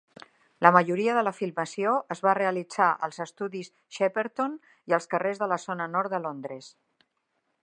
La majoria de la filmació es va realitzar als Estudis Shepperton i als carrers de la zona nord de Londres.